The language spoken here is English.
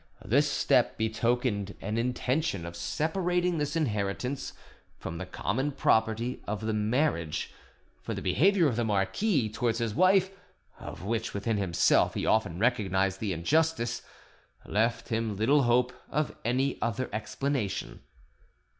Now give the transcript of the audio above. This step betokened an intention of separating this inheritance from the common property of the marriage; for the behaviour of the marquis towards his wife—of which within himself he often recognised the injustice—left him little hope of any other explanation.